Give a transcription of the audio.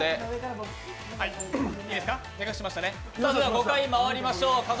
５回回りましょう。